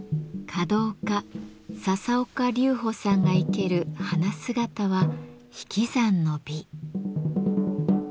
華道家笹岡隆甫さんがいける花姿は引き算の美。